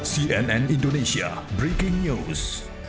cnn indonesia breaking news